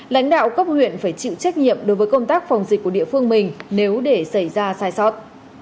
lãnh đạo cấp huyện phải chịu trách nhiệm đối với công tác phòng dịch của địa phương mình nếu để xảy ra sai sót